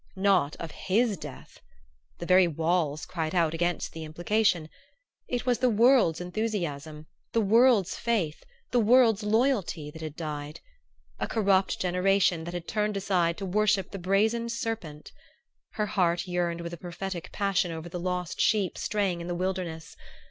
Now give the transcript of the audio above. Not of his death! The very walls cried out against the implication. It was the world's enthusiasm, the world's faith, the world's loyalty that had died. A corrupt generation that had turned aside to worship the brazen serpent. Her heart yearned with a prophetic passion over the lost sheep straying in the wilderness.